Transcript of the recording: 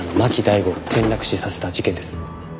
大吾を転落死させた事件です。